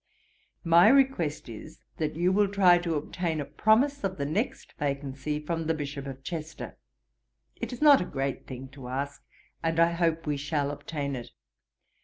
'My request is, that you will try to obtain a promise of the next vacancy, from the Bishop of Chester. It is not a great thing to ask, and I hope we shall obtain it.